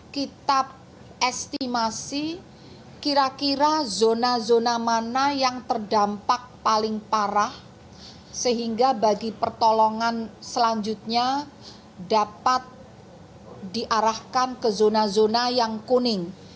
kita estimasi kira kira zona zona mana yang terdampak paling parah sehingga bagi pertolongan selanjutnya dapat diarahkan ke zona zona yang kuning